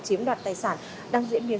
chiếm đoạt tài sản đang diễn biến